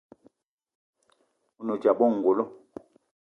A ne odzap ayi ongolo.